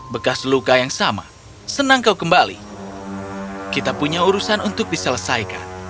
bekas luka yang sama senang kau kembali kita punya urusan untuk diselesaikan